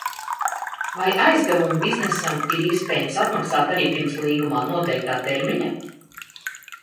Vai aizdevumu biznesam ir iespējams atmaksāt arī pirms līgumā noteiktā termiņa?